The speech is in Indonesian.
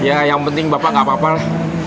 ya yang penting bapak gak apa apa lah